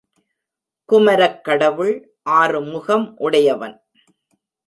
குமரக் கடவுள் ஆறுமுகம் உடையவன்.